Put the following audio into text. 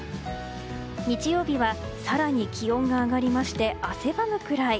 日曜日は更に気温が上がりまして汗ばむくらい。